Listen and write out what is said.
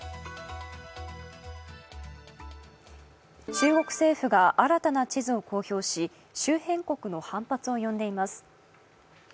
中国政府が新たな地図を公表し、周辺国の反発を呼んでいます。